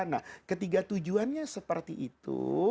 nah ketiga tujuannya seperti itu